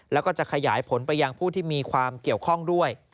แล้วก็จะขยายผลไปยังผู้ที่มีความเกี่ยวข้องด้วย